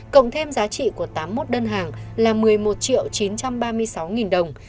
cộng thêm giá trị của tám mươi một đơn hàng là một mươi một triệu chín trăm ba mươi sáu nghìn đồng